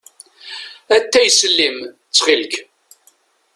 Atay s llim, ttxil-k.